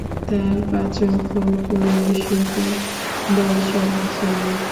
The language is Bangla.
তার পাচক এবং পরিবেশকের দল সব মুসলমান।